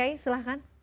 pak kiai silahkan